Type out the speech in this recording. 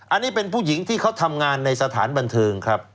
อันนี้เป็นผู้หญิงที่เขาทำงานในสถานบันเทิงครับ